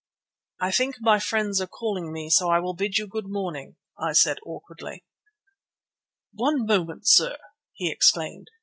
"I think my friends are calling me, so I will bid you good morning," I said awkwardly. "One moment, sir," he exclaimed.